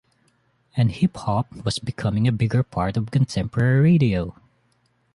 And hip hop was becoming a bigger part of contemporary radio.